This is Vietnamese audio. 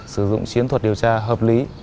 sử dụng chiến thuật điều tra hợp lý